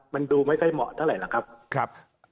มันดูไม่ค่อยเหมาะเท่าไหร่หรอกครับ